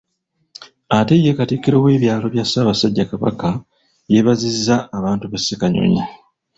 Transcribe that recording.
Ate ye Katikkiro w’ebyalo bya Ssaabasajja Kabaka, yeebazizza abantu b’e Ssekanyonyi.